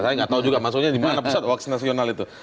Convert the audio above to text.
saya nggak tahu juga maksudnya di mana pusat hoax nasional itu